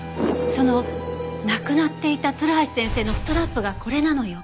そのなくなっていた鶴橋先生のストラップがこれなのよ。